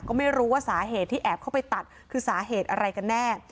ก็ไม่รู้ว่าสาเหตุที่แอบเข้าไปตัดคือสาเหตุอะไรกันแน่